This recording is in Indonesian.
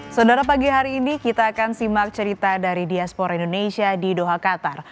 saudara pagi hari ini kita akan simak cerita dari diaspora indonesia di doha qatar